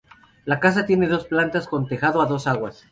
La casa tiene dos plantas, con tejado a dos aguas.